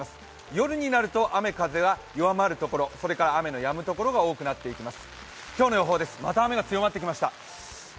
夜になると雨風は弱まるところ、雨がやむところが多くなってきます。